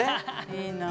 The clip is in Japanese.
いいな。